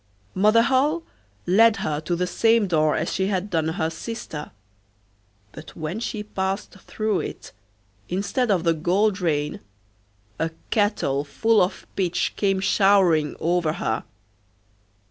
Mother Holle led her to the same door as she had done her sister, but when she passed through it, instead of the gold rain a kettle full of pitch came showering over her.